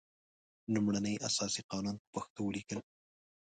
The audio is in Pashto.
لومړنی اساسي قانون په پښتو ولیکل.